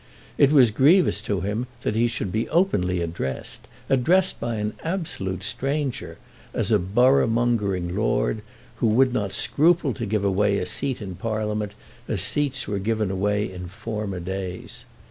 It was grievous to him that he should be openly addressed, addressed by an absolute stranger, as a borough mongering lord, who would not scruple to give away a seat in Parliament as seats were given away in former days.